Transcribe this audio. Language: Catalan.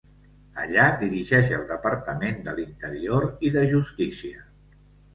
Allà dirigeix el departament de l'interior i de justícia.